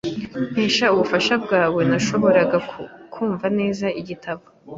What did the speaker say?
Nkesha ubufasha bwawe, nashoboraga kumva neza igitabo.